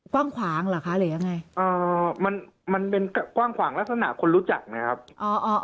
กว้างขวางเหรอคะหรือยังไงเอ่อมันมันเป็นกว้างขวางลักษณะคนรู้จักนะครับอ๋ออ๋อ